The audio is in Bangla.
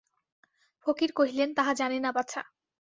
ফকির কহিলেন, তাহা জানি না বাছা।